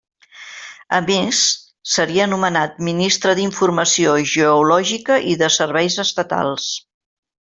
A més, seria nomenat Ministre d'Informació Geològica i de Serveis Estatals.